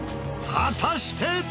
果たして。